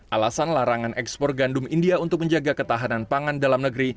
alasan larangan ekspor gandum india untuk menjaga ketahanan pangan dalam negeri